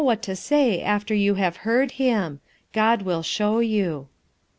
H c ] ias say after you have heard him ; God will aho* you."